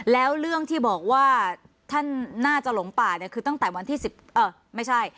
แล้วเรื่องที่บอกว่าท่านน่าจะหลงป่าเนี่ยคือตั้งแต่วันที่๑๐ไม่ใช่